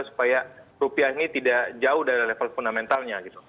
supaya rupiah ini tidak jauh dari level fundamentalnya gitu